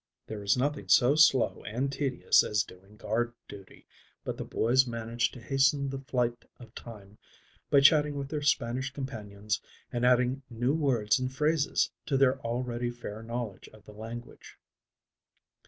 There is nothing so slow and tedious as doing guard duty, but the boys managed to hasten the flight of time by chatting with their Spanish companions and adding new words and phrases to their already fair knowledge of the language.